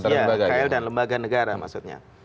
ya kl dan lembaga negara maksudnya